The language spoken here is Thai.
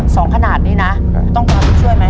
สองขนาดนี้นะต้องการช่วยมั้ย